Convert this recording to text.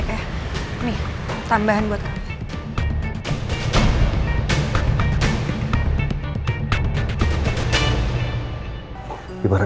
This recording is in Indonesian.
iya kalian sih sangat melewati